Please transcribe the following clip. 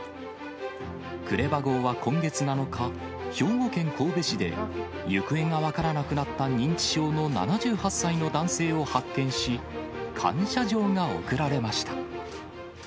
クレバ号は今月７日、兵庫県神戸市で、行方が分からなくなった認知症の７８歳の男性を発見し、感謝状が贈られました。